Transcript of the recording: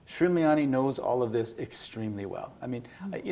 sri miany mengenal semua ini dengan sangat baik